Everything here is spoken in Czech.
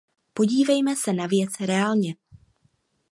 Podívejme se na věc reálně.